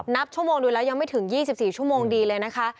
นับชั่วโมงดูแล้วยังไม่ถึง๒๔ชั่วโมงดีเลยนะคะ